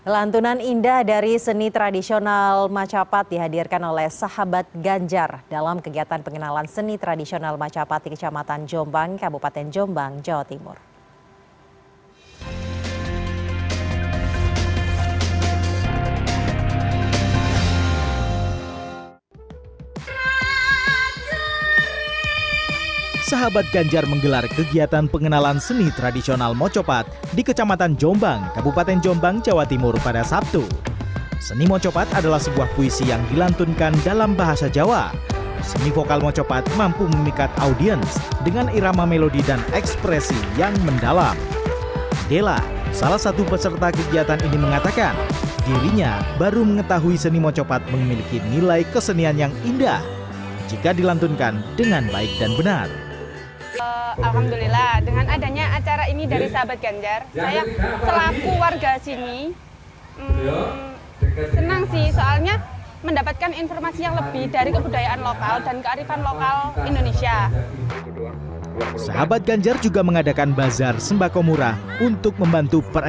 lantunan indah dari seni tradisional macapat dihadirkan oleh sahabat ganjar dalam kegiatan pengenalan seni tradisional macapat di kecamatan jombang kabupaten jombang jawa timur